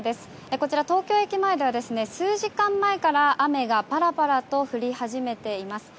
こちら、東京駅前では数時間前から雨がパラパラと降り始めています。